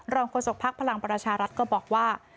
โฆษกภักดิ์พลังประชารัฐก็บอกว่า